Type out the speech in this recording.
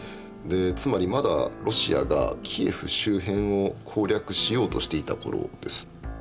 つまりまだロシアがキエフ周辺を攻略しようとしていた頃です。